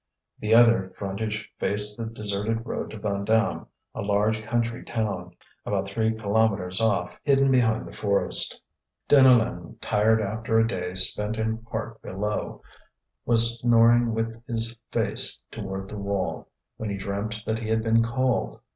The other frontage faced the deserted road to Vandame, a large country town, about three kilometres off, hidden behind the forest. Deneulin, tired after a day spent in part below, was snoring with his face toward the wall, when he dreamt that he had been called.